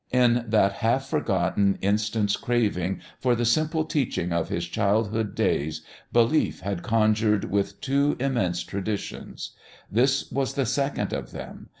In that half forgotten instant's craving for the simple teaching of his childhood days, Belief had conjured with two immense traditions. This was the second of them.